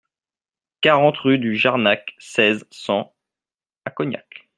quarante rue de Jarnac, seize, cent à Cognac